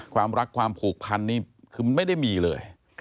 ความรักความผูกพันนี่คือไม่ได้มีเลย